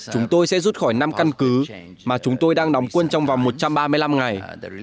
chúng tôi sẽ rút khỏi năm căn cứ mà chúng tôi đang đóng quân trong vòng một trăm ba mươi năm ngày